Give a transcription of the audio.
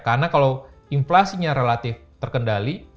karena kalau inflasinya relatif terkendali